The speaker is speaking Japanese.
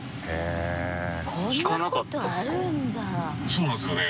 ・そうなんですよね